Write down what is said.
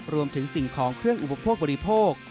รวมถึงสิ่งของเครื่องอุปพกับบริโภค